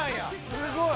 すごい！